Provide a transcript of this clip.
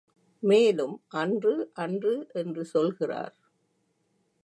மேலும் அன்று அன்று என்று சொல்கிறார்.